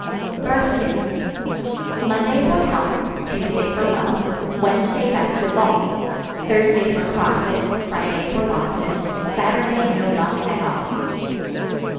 Birthdays. Monday for health, Tuesday for wealth, Wednesday best of all, Thursday for crosses, Friday for losses, Saturday no luck at all.